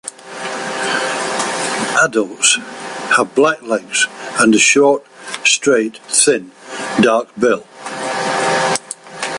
Adults have black legs and a short, straight, thin dark bill.